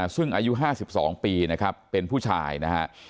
ซึ่งอายุห้าสิบสองปีนะครับเป็นผู้ชายนะฮะ